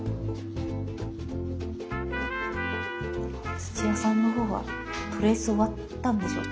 土屋さんのほうはトレース終わったんでしょうか？